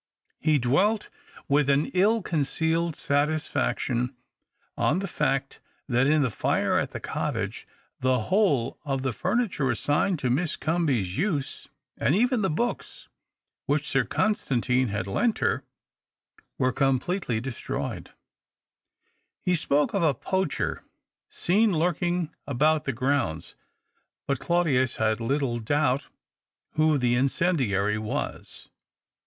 He dwelt with an ill concealed satisfaction on the fact that in THE OCTAVE OF CLAUDIUS. 277 the fire at the cottage the whole of the furniture assigned to Miss Comby's use, and even the books which Sir Constantine had lent her, were completely destroyed. He spoke of a poacher seen lurking about the grounds, but Claudius had little doubt who the incendiary was.